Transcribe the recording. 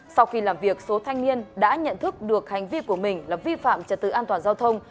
sau khi làm việc số thanh niên đã nhận thức được hành vi của mình là vi phạm trật tự an toàn giao thông